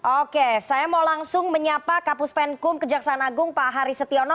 oke saya mau langsung menyapa kapus penkum kejaksaan agung pak haris setiono